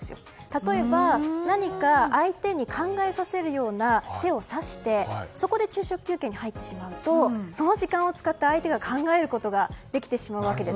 例えば、何か相手に考えさせるような手を指してそこで昼食休憩に入ってしまうとその時間を使って相手が考えることができてしまうわけです。